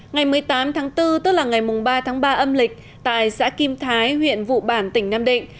ngày một mươi tám tháng bốn tức là ngày ba tháng ba âm lịch tại xã kim thái huyện vụ bản tỉnh nam định